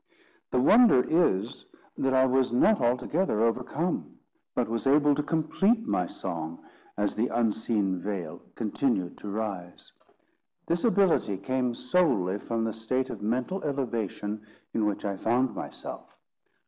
The wonder is, that I was not altogether overcome, but was able to complete my song as the unseen veil continued to rise. This ability came solely from the state of mental elevation in which I found myself.